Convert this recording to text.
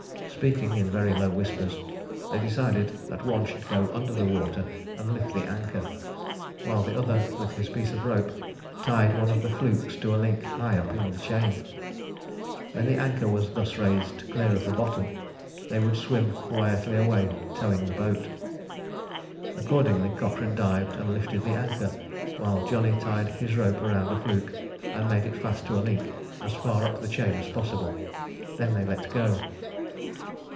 Speaking in very low whispers, they decided that one should go under the water and lift the anchor, while the other, with his piece of rope, tied one of the flukes to a link high up in the chain. When the anchor was thus raised clear of the bottom, they would swim quietly away, towing the boat. Accordingly, Cochrane dived and lifted the anchor, while Johnny tied his rope round a fluke and made it fast to a link as far up the chain as possible. They then let go.